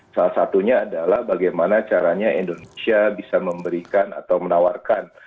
salah satunya adalah bagaimana caranya indonesia bisa memberikan atau menawarkan